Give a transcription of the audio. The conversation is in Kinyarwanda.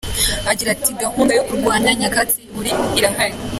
Agira ati “Gahunda yo kurwanya Nyakatsi ku buriri irahari.